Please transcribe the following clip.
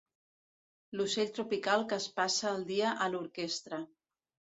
L'ocell tropical que es passa el dia a l'orquestra.